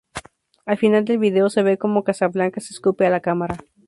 Al final del vídeo se ve cómo Casablancas escupe a la cámara.